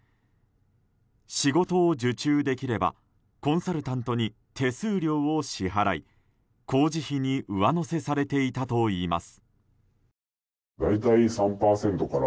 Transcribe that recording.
仕事を受注できればコンサルタントに手数料を支払い工事費に上乗せされていたといいます。